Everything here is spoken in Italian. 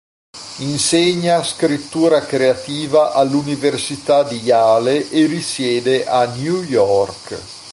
Insegna scrittura creativa all'università di Yale e risiede a New York.